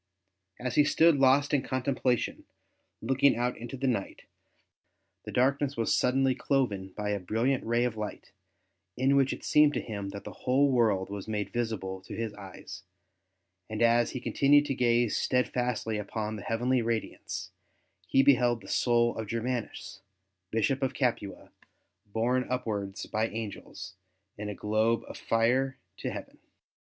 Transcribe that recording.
As he stood lost in contemplation, looking out into the night, the darkness was suddenly cloven by a brilliant ray of light in which it seemed to him that the whole world was made visible to his eyes, and as he con tinued to gaze steadfastly upon the heavenly radiance, he beheld the soul of Germanus, Bishop of Capua, borne upwards by angels in a globe of fire to heaven.